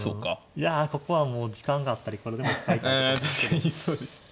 いやここはもう時間があったらいくらでも使いたいところですけど。